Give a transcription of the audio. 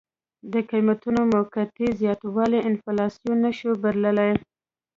د قیمتونو موقتي زیاتوالی انفلاسیون نه شو بللی.